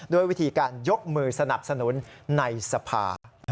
ด้วยวิธีการยกมือสนับสนุนในสภา